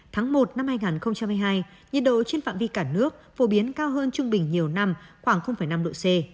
tháng một năm hai nghìn hai mươi hai nhiệt độ trên phạm vi cả nước phổ biến cao hơn trung bình nhiều năm khoảng năm độ c